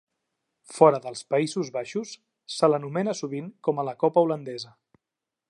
Fora dels Països Baixos, se l'anomena sovint com a la Copa holandesa.